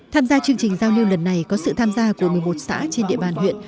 tham gia chương trình giao lưu lần này có sự tham gia của một mươi một xã trên địa bàn huyện